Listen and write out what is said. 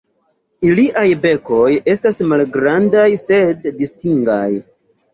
Iliaj bekoj estas malgrandaj sed distingaj.